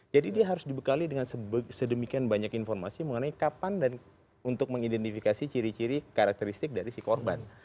jadi dia harus dibekali dengan sedemikian banyak informasi mengenai kapan dan untuk mengidentifikasi ciri ciri karakteristik dari si korban